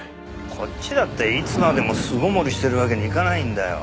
こっちだっていつまでも巣ごもりしてるわけにいかないんだよ。